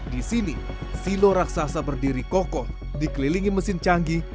di sini silo raksasa berdiri kokoh dikelilingi mesin canggih